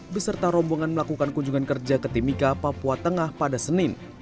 beserta rombongan melakukan kunjungan kerja ke timika papua tengah pada senin